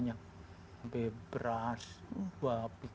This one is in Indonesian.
nah sembako yang kita berikan itu kemarin cukup baik